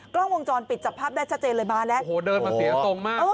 กล้องวงจรปิดจับพับได้ชัดเจนเลยมาแล้ว